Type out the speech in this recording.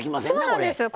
そうなんですよ。